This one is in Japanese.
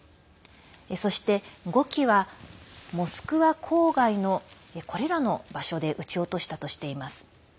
そして５機はモスクワ郊外のこれらの場所で撃ち落としたとしています。